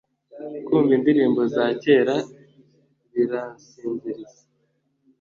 kumva indirimbo za kera bira sinziriza